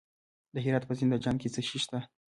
د هرات په زنده جان کې څه شی شته؟